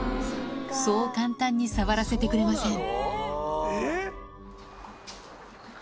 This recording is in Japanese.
そう簡単に触らせてくれません。